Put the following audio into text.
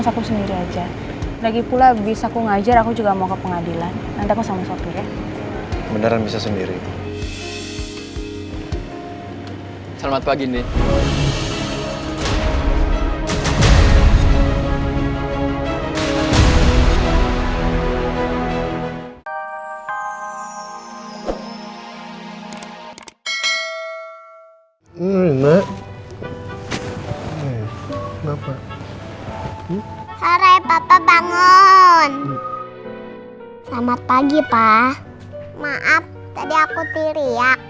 hai ini enggak hai kenapa hai sore papa bangun selamat pagi pak maaf tadi aku tiriak